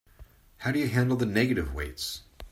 How do you handle the negative weights?